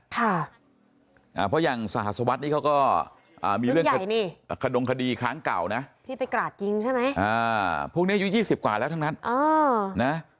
เพราะอย่างสหัสวัสดิเขาก็มีเรื่องขดงคดีครั้งเก่านะที่ไปกราดยิงใช่ไหมพวกนี้อายุ๒๐กว่าแล้วทั้งนั้นนะ